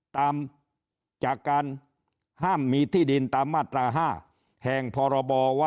ตามจากการห้ามมีที่ดินตามมาตรห้าแห่งพบว